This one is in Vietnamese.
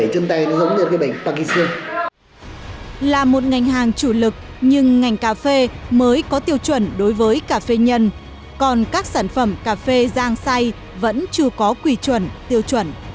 là một ngành hàng chủ lực nhưng ngành cà phê mới có tiêu chuẩn đối với cà phê nhân còn các sản phẩm cà phê giang say vẫn chưa có quy chuẩn tiêu chuẩn